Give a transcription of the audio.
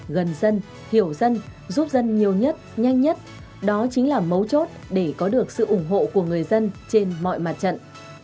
gần dân hiểu dân giúp dân nhiều nhất nhanh nhất đó chính là mấu chốt để có được sự ủng hộ của người dân trên mọi mặt trận